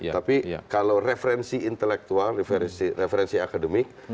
tapi kalau referensi intelektual referensi akademik